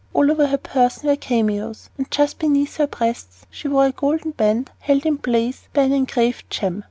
All over her person were cameos, and just beneath her breasts she wore a golden band held in place by an engraved gem.